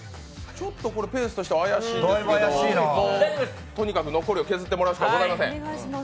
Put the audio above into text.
ちょっとペースとしては怪しいですが、とにかく残りを削ってもらうしかありません。